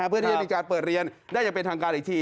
เพื่อที่จะมีการเปิดเรียนได้อีกที